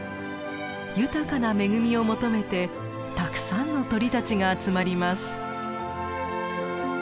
豊かな恵みを求めてたくさんの鳥たちが集まります。